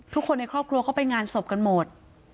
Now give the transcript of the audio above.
ทุกคนในครอบครัวเขาไปงานศพกันหมด